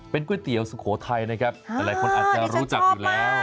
ก๋วยเตี๋ยวสุโขทัยนะครับหลายคนอาจจะรู้จักอยู่แล้ว